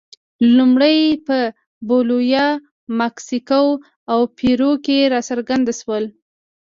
لومړی په بولیویا، مکسیکو او پیرو کې راڅرګند شول.